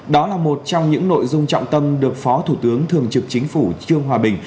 đó là một trong những nội dung trọng tâm được phó thủ tướng thường trực chính phủ trương hòa bình